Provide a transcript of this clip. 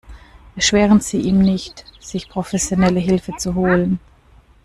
Erschweren Sie ihm nicht, sich professionelle Hilfe zu holen.